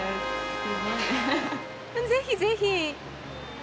ぜひぜひ。